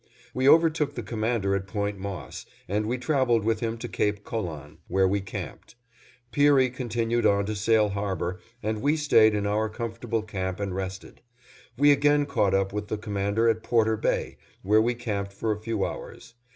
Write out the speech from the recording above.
We overtook the Commander at Point Moss, and we traveled with him to Cape Colan, where we camped. Peary continued on to Sail Harbor, and we stayed in our comfortable camp and rested. We again caught up with the Commander at Porter Bay, where we camped for a few hours.